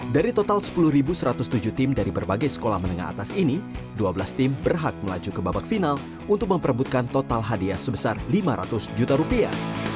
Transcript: dari total sepuluh satu ratus tujuh tim dari berbagai sekolah menengah atas ini dua belas tim berhak melaju ke babak final untuk memperebutkan total hadiah sebesar lima ratus juta rupiah